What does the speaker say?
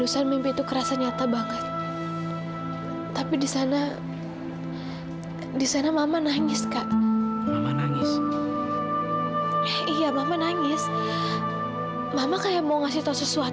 sampai jumpa di video selanjutnya